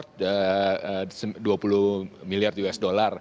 jadi kita bisa mencapai dua puluh miliar usd